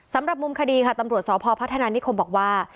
สำหรับมุมคดีค่ะตำรวจสพพัฒนานิคมบอกว่า